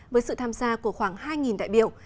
với sự tham gia của khoảng hai đại biểu